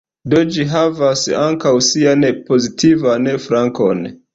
Do ĝi havas ankaŭ sian pozitivan flankon.